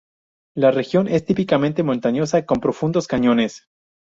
La región es típicamente montañosa con profundos cañones.